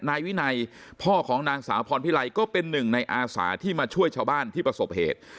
นายวินัยพ่อของนางสาวพรพิไลก็เป็นหนึ่งในอาสาที่มาช่วยชาวบ้านที่ประสบเหตุ